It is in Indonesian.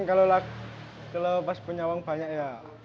kadang kadang kalau pas punya uang banyak ya